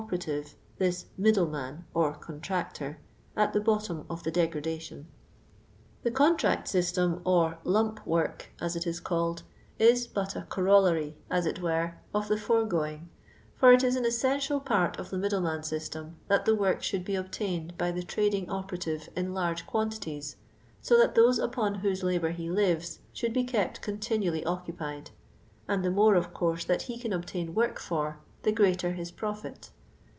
ni' tine, th'iBtviiddieiHan or cuntnictor, at the bottom of the degradation." The •* contract system " or *• lump work," as it is called, is but a coroll:iry, as it were, of the foregoing; for it is an essential part of the middle man system, that the work should be obt; iincd by the trading operative in large quantities, so that those upon whose labour he lives should be kept continiuilly occu]>ied, and the more, of course, that he can obtain work for, the greater his protit.